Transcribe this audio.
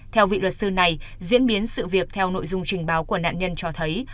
theo vị luật sư này diễn biến sự việc theo nội dung trình báo của nạn nhân cho thấy